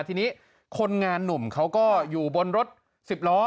ทีนี้คนงานหนุ่มเขาก็อยู่บนรถ๑๐ล้อ